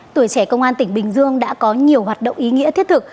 tuổi trẻ công an tỉnh bình dương đã có nhiều hoạt động ý nghĩa thiết thực